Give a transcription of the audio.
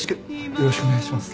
よろしくお願いします。